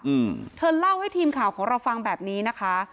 อืมเธอเล่าให้ทีมข่าวของเราฟังแบบนี้นะคะ